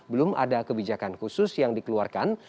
belum ada kebijakan khusus yang dikeluarkan